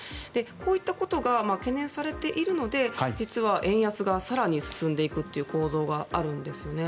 こういったことが懸念されているので実は円安が更に進んでいくという構造があるんですよね。